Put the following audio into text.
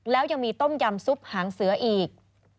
แล้วยังมีต้มยำซุปหางเสืออีก